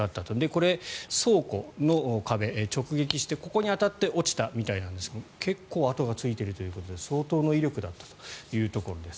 これ、倉庫の壁を直撃してここに当たって落ちたみたいなんですけど結構、跡がついているということで相当の威力だったというところです。